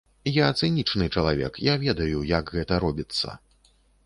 Я цынічны чалавек, я ведаю, як гэта робіцца.